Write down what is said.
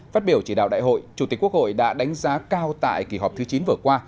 phát biểu chỉ đạo đại hội chủ tịch quốc hội đã đánh giá cao tại kỳ họp thứ chín vừa qua